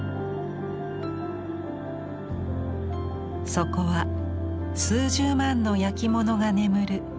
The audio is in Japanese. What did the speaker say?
そこは数十万の焼き物が眠る